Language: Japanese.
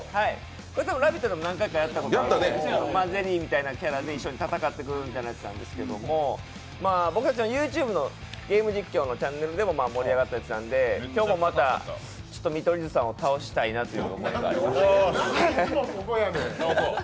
「ラヴィット！」でも何回かやったんですけど、ゼリーのようなキャラで一緒に戦っていくみたいなやつなんですけど、僕たちのＹｏｕＴｕｂｅのゲーム実況のチャンネルでも盛り上がったやつなんで、今日もまた見取り図さんを倒したいなという。